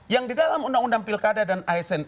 yang di dalam undang undang pilkada dan asn